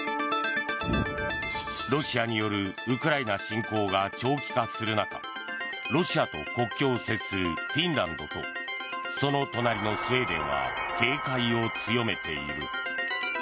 ロシアによるウクライナ侵攻が長期化する中ロシアと国境を接するフィンランドとその隣のスウェーデンは警戒を強めている。